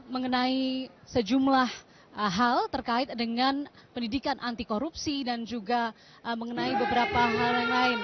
mengenai sejumlah hal terkait dengan pendidikan anti korupsi dan juga mengenai beberapa hal lain